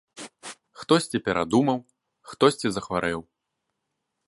Хтосьці перадумаў, хтосьці захварэў.